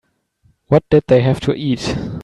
What did they have to eat?